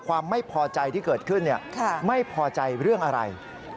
ความไม่พอใจที่เกิดขึ้นไม่พอใจเรื่องอะไร